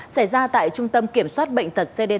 xảy ra tại trung tâm kiểm soát bệnh tật cdc